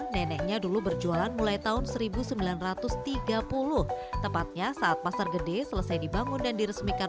neneknya dulu berjualan mulai tahun seribu sembilan ratus tiga puluh tepatnya saat pasar gede selesai dibangun dan diresmikan